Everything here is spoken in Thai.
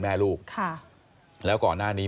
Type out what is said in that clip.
แม่ลูกค่ะแล้วก่อนหน้านี้